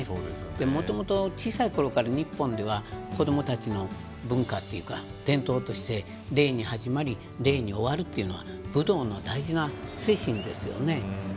もともと小さいころから日本では子どもたちの文化というか伝統として礼に始まり礼に終わるというのは武道の大事な精神ですよね。